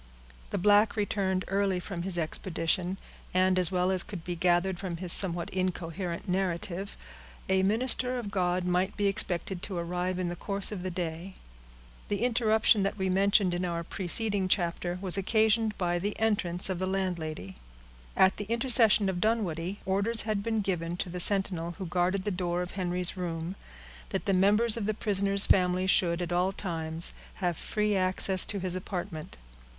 The black returned early from his expedition, and, as well as could be gathered from his somewhat incoherent narrative, a minister of God might be expected to arrive in the course of the day. The interruption that we mentioned in our preceding chapter was occasioned by the entrance of the landlady. At the intercession of Dunwoodie, orders had been given to the sentinel who guarded the door of Henry's room, that the members of the prisoner's family should, at all times, have free access to his apartment.